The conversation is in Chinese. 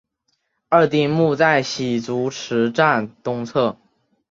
二丁目在洗足池站东侧。